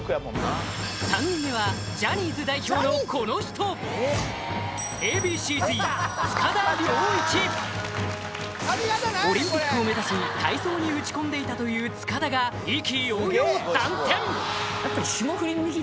３人目はジャニーズ代表のこの人オリンピックを目指し体操に打ち込んでいたという塚田が意気揚々参戦！